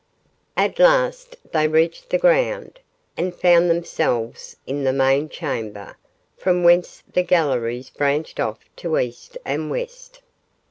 At last they reached the ground, and found themselves in the main chamber, from whence the galleries branched off to east and west.